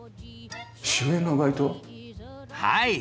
はい。